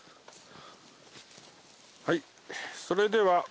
はいそれでは。